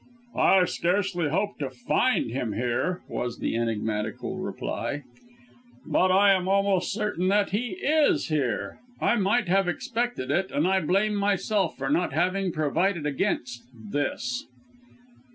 "I scarcely hope to find him here," was the enigmatical reply, "but I am almost certain that he is here. I might have expected it, and I blame myself for not having provided against this."